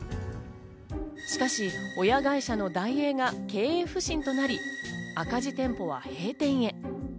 しかし、親会社のダイエーが経営不振となり、赤字店舗は閉店へ。